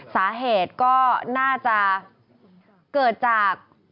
สาเหตุก็น่าจะเกิดจาก